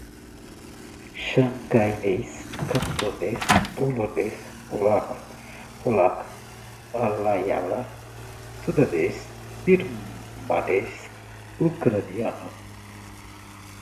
Xangainês, cantonês, polonês, polaco, polaca, malaiala, sundanês, birmanês, ucraniano